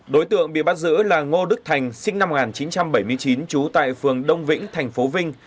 đối tượng bị bắt giữ là ngô đức thành sinh năm một nghìn chín trăm bảy mươi chín trú tại phường đông vĩnh thành phố vinh